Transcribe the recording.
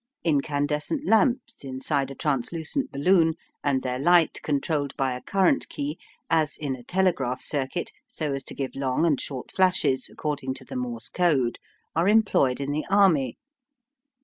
Incandescent lamps inside a translucent balloon, and their light controlled by a current key, as in a telegraph circuit, so as to give long and short flashes, according to the Morse code, are employed in the army.